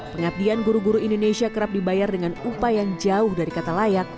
pengabdian guru guru indonesia kerap dibayar dengan upah yang jauh dari kata layak